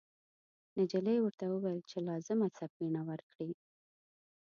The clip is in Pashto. نجلۍ ورته وویل چې لازمه سپینه ورکړي.